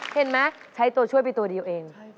เห็นไหมใช้ตัวช่วยไปตัวเดียวเอง